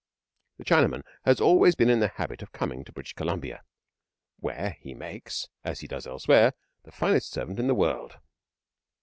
The Chinaman has always been in the habit of coming to British Columbia, where he makes, as he does elsewhere, the finest servant in the world.